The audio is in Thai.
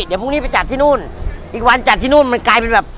เดี๋ยวพรุ่งนี้ไปจัดที่นู่นอีกวันจัดที่นู่นมันกลายเป็นแบบ